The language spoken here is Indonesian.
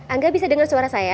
angga bisa dengar suara saya